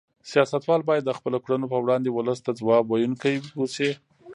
سیاستوال باید د خپلو کړنو په وړاندې ولس ته ځواب ویونکي اوسي.